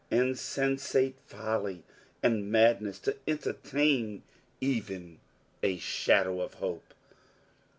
Insensate folly and madness to entertain even a shadow of hope!